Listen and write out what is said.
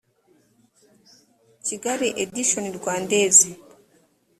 kigali editions rwandaises